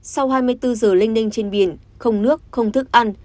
sau hai mươi bốn giờ lênh lênh trên biển không nước không thức ăn